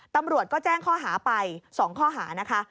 ตำรวจก็แจ้งข้อหาไป๒ข้อหานะคะ